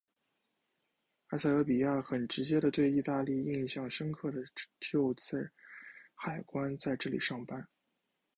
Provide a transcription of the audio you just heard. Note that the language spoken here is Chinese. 埃塞俄比亚很直接的对意大利印象深刻的就是海关在这里上班。